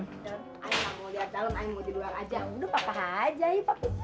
i gak mau lihat di dalam i mau di luar aja udah papa aja i